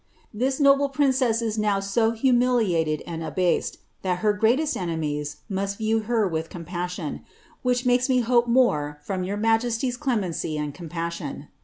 rhis noble princess is now so humiliated and abased, that her greatest enemies UMt view her with compassion, which makes me hope more flrom your migesty't Itoiency and compassion.